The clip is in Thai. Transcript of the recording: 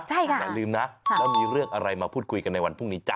ใช่ค่ะอย่าลืมนะแล้วมีเรื่องอะไรมาพูดคุยกันในวันพรุ่งนี้จ้